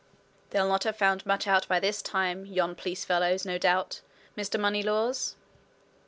"They'll not have found much out by this time, yon police fellows, no doubt, Mr. Moneylaws?"